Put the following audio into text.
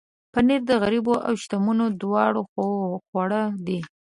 پنېر د غریبو او شتمنو دواړو خواړه دي.